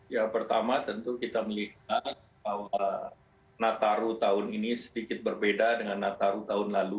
ya pertama tentu kita melihat bahwa nataru tahun ini sedikit berbeda dengan nataru tahun lalu